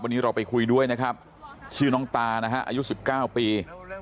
วันนี้เราไปคุยด้วยนะครับชื่อน้องตานะฮะอายุ๑๙ปี